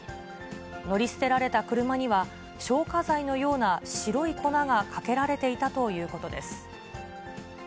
乗り捨てられた車には、消火剤のような白い粉がかけられていたということです。